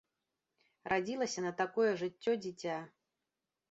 Радзілася на такое жыццё дзіця.